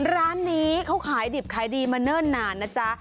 ร้านนี้เขาขายดิบขายดีมาเนิ่นนานนะจ๊ะ